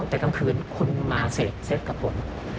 แต่กลางคืนคุณมาเหลนกับผม